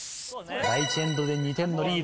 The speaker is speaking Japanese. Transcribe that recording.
第１エンドで２点のリード。